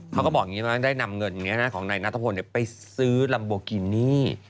เขาก็บอกอย่างนี้ได้นำเงินของนายนัทพลไปซื้อลัมโบกินี่